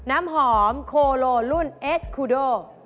น้ำหอมโคโลรุ่นเอสคูโด